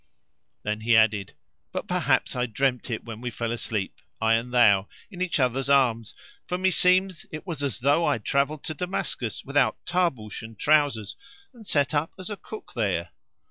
Then he added, "But perhaps I dreamt it when we fell asleep, I and thou, in each other's arms, for meseems it was as though I travelled to Damascus without tarbush and trousers and set up as a cook there."